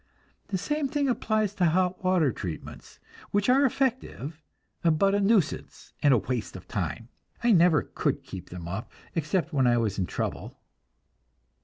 The same thing applies to hot water treatments, which are effective, but a nuisance and a waste of time. I never could keep them up except when I was in trouble.